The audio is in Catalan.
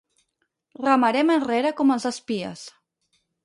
Remarem enrere com els espies.